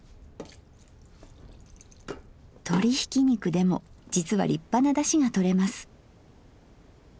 鶏ひき肉でも実は立派なだしがとれます。